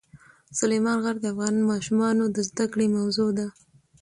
سلیمان غر د افغان ماشومانو د زده کړې موضوع ده.